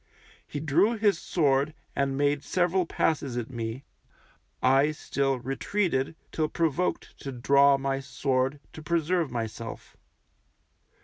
He drew his sword and made several passes at me, I still retreated till provoked to draw my sword to preserve myself.